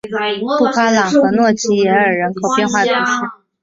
布夸朗和诺济耶尔人口变化图示